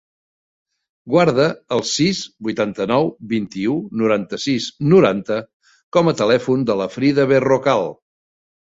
Guarda el sis, vuitanta-nou, vint-i-u, noranta-sis, noranta com a telèfon de la Frida Berrocal.